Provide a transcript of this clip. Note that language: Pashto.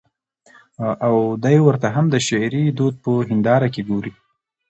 او دى ورته هم د شعري دود په هېنداره کې ګوري.